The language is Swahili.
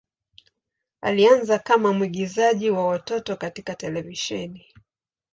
Alianza kama mwigizaji wa watoto katika televisheni.